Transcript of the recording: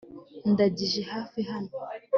ndangije hafi hano